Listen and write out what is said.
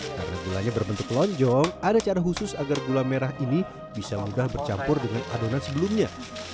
karena gulanya berbentuk lonjong ada cara khusus agar gula merah ini bisa mudah bercampur dengan adonan sebelumnya